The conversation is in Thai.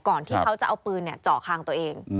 ก่อนที่เขาจะเอาปืนเจาะคางตัวเอง